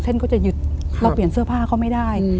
เขาจะหยุดเราเปลี่ยนเสื้อผ้าเขาไม่ได้